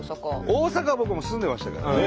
大阪は僕も住んでましたから昔ね。